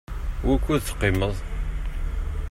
Wukud teqqimeḍ?